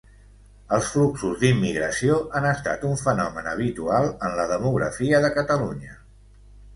Els fluxos d'immigració han estat un fenomen habitual en la demografia de Catalunya.